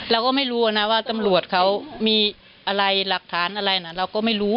เราก็ไม่รู้นะว่าตำรวจเขามีอะไรหลักฐานอะไรนะเราก็ไม่รู้